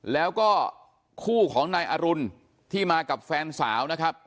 แล้วก็คู่ของนายอรุณที่มากับแฟนสาวนะครับ